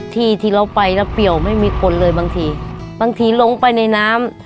ที่ที่เราไปแล้วเปี่ยวไม่มีคนเลยบางทีบางทีลงไปในน้ำ